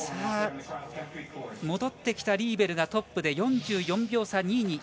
戻ってきたリーベルがトップで４４秒差２位